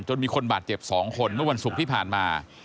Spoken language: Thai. มีคนบาดเจ็บ๒คนเมื่อวันศุกร์ที่ผ่านมา